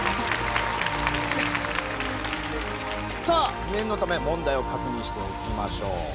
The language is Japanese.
さあ念のため問題を確認しておきましょう。